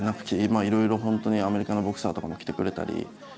いろいろ本当にアメリカのボクサーとかもきてくれたり。